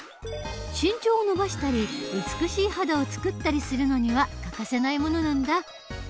身長を伸ばしたり美しい肌をつくったりするのには欠かせないものなんだ。